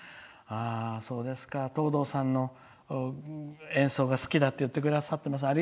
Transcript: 藤堂さんの演奏が好きだって言ってくださっています。